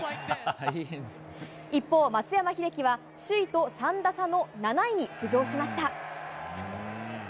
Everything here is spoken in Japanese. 一方、松山英樹は首位と３打差の７位に浮上しました。